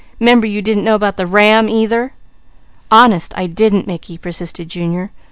"'Member you didn't know about the ram either?" "Honest I didn't, Mickey," persisted Junior.